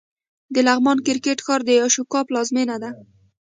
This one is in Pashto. د لغمان کرکټ ښار د اشوکا پلازمېنه وه